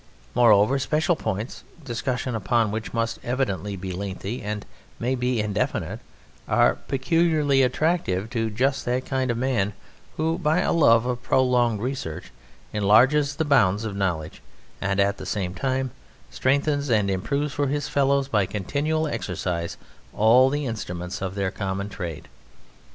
Moreover, special points, discussion upon which must evidently be lengthy and may be indefinite, are peculiarly attractive to just that kind of man who by a love of prolonged research enlarges the bounds of knowledge and at the same time strengthens and improves for his fellows by continual exercise all the instruments of their common trade.